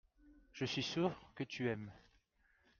je suis sûr que tu aimes.